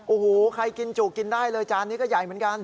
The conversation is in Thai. โอ้โหใครกินจุกินได้เลยจานนี้ก็ใหญ่เหมือนกัน